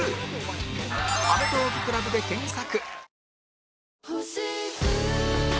「アメトーーク ＣＬＵＢ」で検索